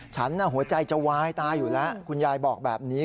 หัวใจจะวายตายอยู่แล้วคุณยายบอกแบบนี้